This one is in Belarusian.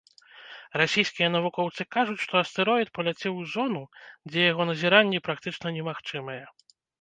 Расійскія навукоўцы кажуць, што астэроід паляцеў у зону, дзе яго назіранні практычна немагчымыя.